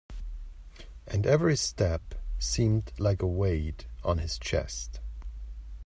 And every step seemed like a weight on his chest.